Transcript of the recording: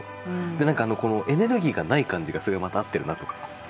でなんかこのエネルギーがない感じがすごいまた合ってるなとか。